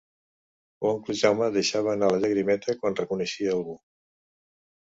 L'oncle Jaume deixava anar la llagrimeta quan reconeixia algú.